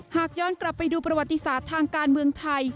หากย้อนกลับไปดูประวัติศาสตร์ทางการเมืองไทย